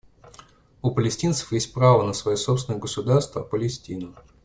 У палестинцев есть право на свое собственное государство — Палестину.